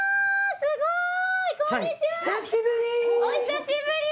久しぶり。